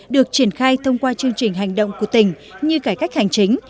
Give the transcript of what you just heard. được triển khai thông qua chương trình hành động của tỉnh như cải cách hành chính